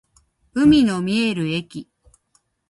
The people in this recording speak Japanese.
海の見える駅